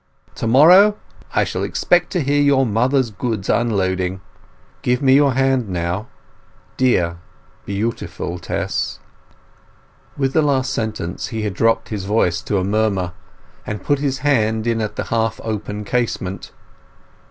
To morrow I shall expect to hear your mother's goods unloading... Give me your hand on it now—dear, beautiful Tess!" With the last sentence he had dropped his voice to a murmur, and put his hand in at the half open casement.